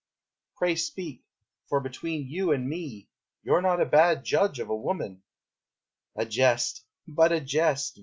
Pray speak, for between you and me You're not a bad judge of a woman! A jest, but a jest!